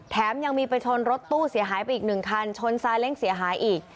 แถมยังมีไปชนรถตู้เสียหายไปอีกหนึ่งคันชนซาเล้งเสียหายอีก